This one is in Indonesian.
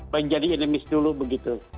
menjadi endemis dulu begitu